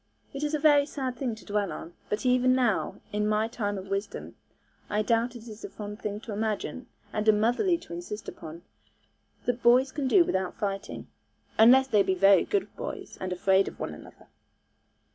It is a very sad thing to dwell on; but even now, in my time of wisdom, I doubt it is a fond thing to imagine, and a motherly to insist upon, that boys can do without fighting. Unless they be very good boys, and afraid of one another.